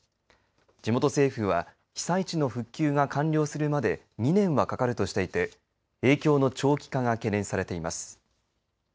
地元政府は被災地の復旧が完了するまで２年はかかるとしていて影響の長期化が懸念されています。